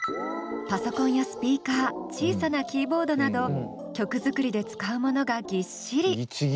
パソコンやスピーカー小さなキーボードなど曲作りで使うものがぎっしり。